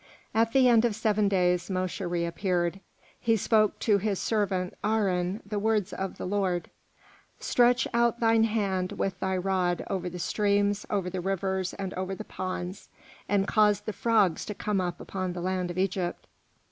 At the end of seven days Mosche reappeared. He spoke to his servant Aharon the words of the Lord: "Stretch out thine hand with thy rod over the streams, over the rivers, and over the ponds, and cause the frogs to come up upon the land of Egypt."